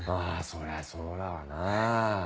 そりゃそうだわな。